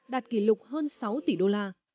đạt kỷ lục hơn sáu tỷ đô la